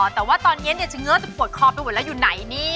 แต่ว่าตอนนี้เนี่ยฉันเงื้อจะปวดคอไปหมดแล้วอยู่ไหนเนี่ย